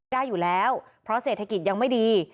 ได้อยู่แล้วเพราะเศรษฐกิจยังไม่ดี